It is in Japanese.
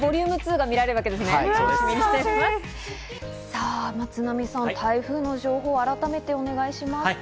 さぁ、松並さん、台風の情報を改めてお願いします。